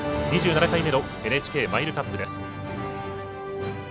２７回目のＮＨＫマイルカップです。